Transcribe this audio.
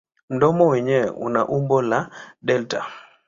Mdomo wenyewe una umbo la delta.